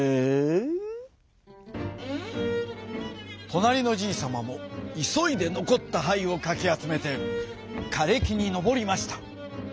となりのじいさまもいそいでのこったはいをかきあつめてかれきにのぼりました。